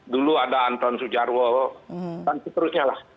dulu ada anton sujarwo dan seterusnya lah